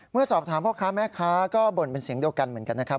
เมื่อสอบถามพ่อค้าแม่ค้าก็บ่นเป็นเสียงเดียวกันเหมือนกันนะครับ